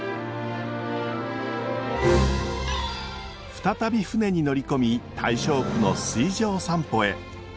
再び船に乗り込み大正区の水上散歩へ。